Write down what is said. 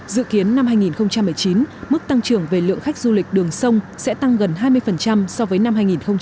dự kiến năm hai nghìn một mươi chín mức tăng trưởng về lượng khách du lịch đường sông sẽ tăng gần hai mươi so với năm hai nghìn một mươi tám